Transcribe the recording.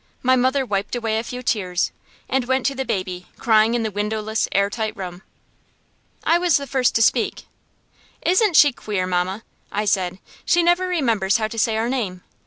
My mother wiped away a few tears, and went to the baby, crying in the windowless, air tight room. I was the first to speak. "Isn't she queer, mamma!" I said. "She never remembers how to say our name.